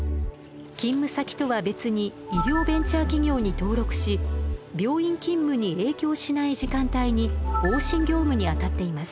勤務先とは別に医療ベンチャー企業に登録し病院勤務に影響しない時間帯に往診業務にあたっています。